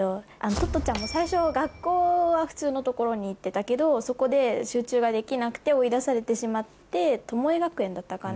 トットちゃんも最初学校は普通のところに行ってたけどそこで集中ができなくて追い出されてしまってトモエ学園だったかな？